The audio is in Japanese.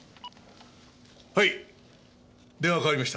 はい電話代わりました。